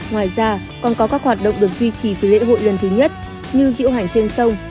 ngoài ra còn có các hoạt động được duy trì với lễ hội lần thứ nhất như diễu hành trên sông